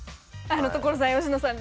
所さん佳乃さん。